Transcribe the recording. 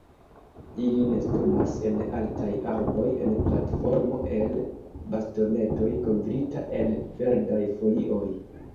Ili nestumas en altaj arboj en platformo el bastonetoj kovrita el verdaj folioj.